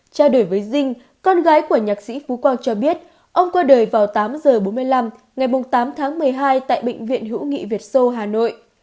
trao đổi với dinh con gái của nhạc sĩ phú quang cho biết ông qua đời vào tám h bốn mươi năm ngày tám tháng một mươi hai tại bệnh viện hữu nghị việt sô hà nội